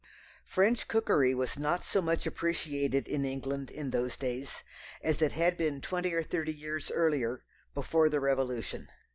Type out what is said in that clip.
French cookery was not so much appreciated in England in those days as it had been twenty or thirty years earlier, before the Revolution.